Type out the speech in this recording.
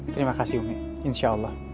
terima kasih umi insyaallah